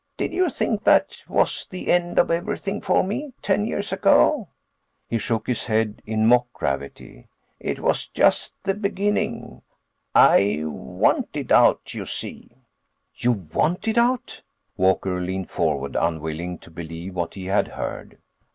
Did you think that was the end of everything for me, ten years ago?" He shook his head in mock gravity. "It was just the beginning. I wanted out, you see." "You wanted out?" Walker leaned forward, unwilling to believe what he had heard.